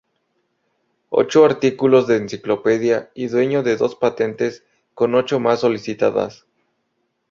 Ocho artículos de enciclopedia y dueño de dos patentes, con ocho más solicitadas.